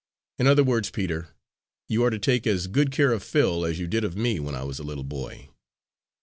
In other words, Peter, you are to take as good care of Phil as you did of me when I was a little boy."